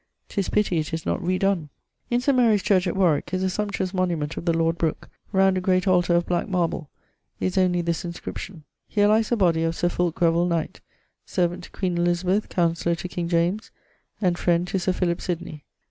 'Tis pitty it is not re donne. In St. Mary's church at Warwick is a sumptuose monument of the lord Brooke, round a great altar of black marble is only this inscription: 'Here lies the body of Sir Fulke Grevill, knight, servant to Q. Elizabeth, counsellor to K. James, and friend to Sir Philip Sydney.'